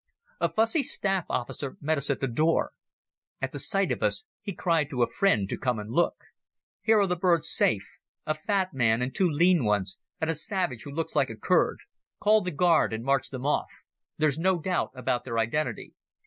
A fussy staff officer met us at the door. At the sight of us he cried to a friend to come and look. "Here are the birds safe. A fat man and two lean ones and a savage who looks like a Kurd. Call the guard and march them off. There's no doubt about their identity."